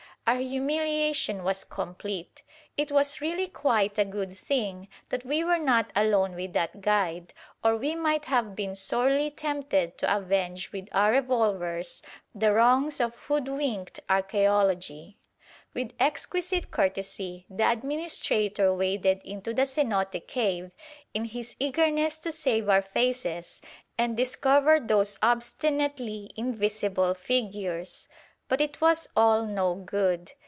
Our humiliation was complete. It was really quite a good thing that we were not alone with that guide, or we might have been sorely tempted to avenge with our revolvers the wrongs of hoodwinked archæology. With exquisite courtesy, the administrator waded into the cenote cave in his eagerness to "save our faces" and discover those obstinately invisible figures. But it was all no good.